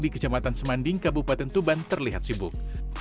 di kecamatan semanding kabupaten tuban terlihat sibuk